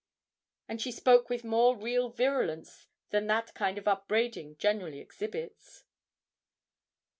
And she spoke with more real virulence than that kind of upbraiding generally exhibits.